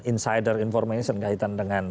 insider information kaitan dengan